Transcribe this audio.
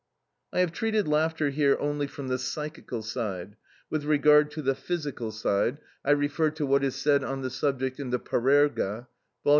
I have treated laughter here only from the psychical side; with regard to the physical side, I refer to what is said on the subject in the "Parerga," vol.